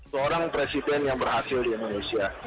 seorang presiden yang berhasil di indonesia